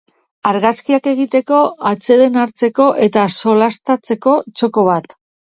Argazkiak egiteko, atseden hartzeko eta solastatzeko txoko bat.